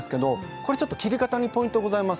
これ、ちょっと切り方にポイントがございます。